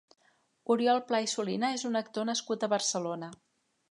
Oriol Pla i Solina és un actor nascut a Barcelona.